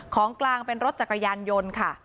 ของกลางเป็นรถจักรยานยนต์ค่ะ